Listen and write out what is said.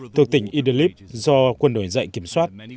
thược tỉnh idlib do quân đội dạy kiểm soát